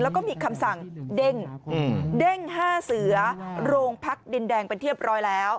แล้วก็มีคำสั่งเด้งเด้ง๕เสือโรงพักดินแดงเป็นเรียบร้อยแล้ว